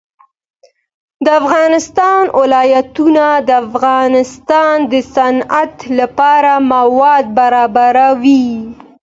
د افغانستان ولايتونه د افغانستان د صنعت لپاره مواد برابروي.